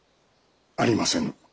ありませぬ。